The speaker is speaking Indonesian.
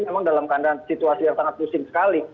memang dalam keadaan situasi yang sangat pusing sekali